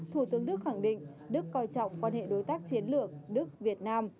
thủ tướng đức khẳng định đức coi trọng quan hệ đối tác chiến lược đức việt nam